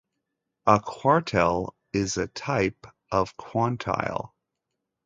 A quartile is a type of quantile.